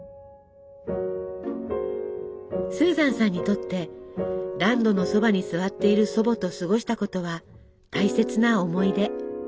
スーザンさんにとって暖炉のそばに座っている祖母と過ごしたことは大切な思い出。